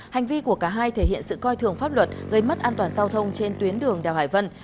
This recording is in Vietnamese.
hành vi của cả hai thể hiện sự coi thường pháp luật gây mất an toàn giao thông trên tuyến đường đèo hải vân